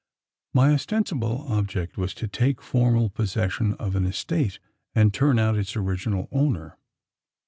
My ostensible object was to take formal possession of an estate, and turn out its original owner.